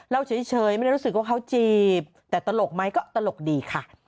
เราเฉยไม่ได้รู้สึกว่าเขาจีบแต่ตลกไหมก็ตลกดีค่ะ